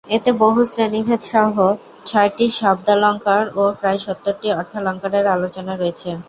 এতে বহু শ্রেণিভেদসহ ছয়টি শব্দালঙ্কার ও প্রায় সত্তরটি অর্থালঙ্কারের আলোচনা রয়েছে।